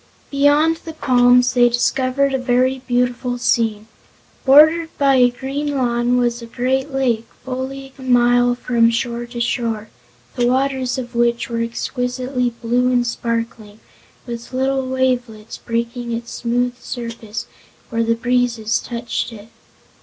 Beyond the palms they discovered a very beautiful scene. Bordered by a green lawn was a great lake fully a mile from shore to shore, the waters of which were exquisitely blue and sparkling, with little wavelets breaking its smooth surface where the breezes touched it.